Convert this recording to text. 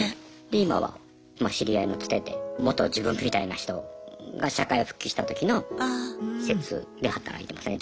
で今は知り合いのつてで元自分みたいな人が社会復帰した時の施設で働いてますね。